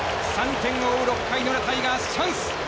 ３点を追う、６回の裏タイガース、チャンス！